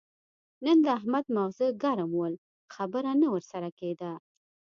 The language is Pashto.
نن د احمد ماغزه ګرم ول؛ خبره نه ور سره کېده.